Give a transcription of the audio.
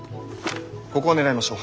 ここを狙いましょう。